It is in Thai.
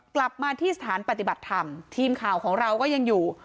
กลับมาที่สถานปฏิบัติธรรมทีมข่าวของเราก็ยังอยู่